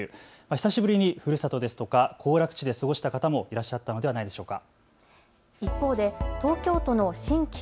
久しぶりにふるさとですとか行楽地で過ごした方もいらっしゃったのではないでしょうか。